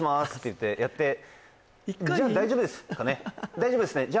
大丈夫ですね？